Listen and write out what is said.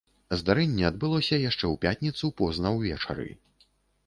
Здарэнне адбылося яшчэ ў пятніцу позна ўвечары.